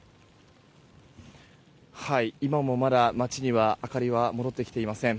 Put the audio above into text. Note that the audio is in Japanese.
今もまだ、街には明かりは戻ってきていません。